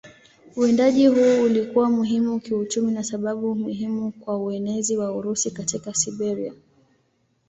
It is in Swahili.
Uwindaji huu ulikuwa muhimu kiuchumi na sababu muhimu kwa uenezaji wa Urusi katika Siberia.